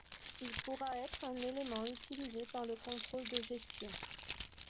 Il pourra être un élément utilisé par le contrôle de gestion.